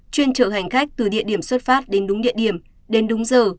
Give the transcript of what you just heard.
chuyên chở hành khách từ địa điểm xuất phát đến đúng địa điểm đến đúng giờ